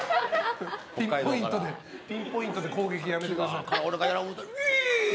ピンポイントで攻撃やめてください。